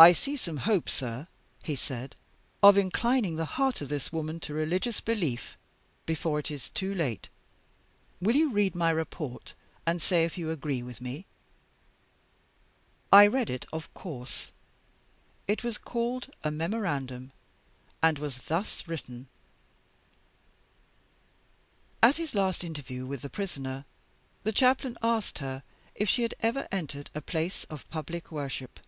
"I see some hope, sir," he said, "of inclining the heart of this woman to religious belief, before it is too late. Will you read my report, and say if you agree with me?" I read it, of course. It was called "A Memorandum," and was thus written: "At his last interview with the Prisoner, the Chaplain asked her if she had ever entered a place of public worship.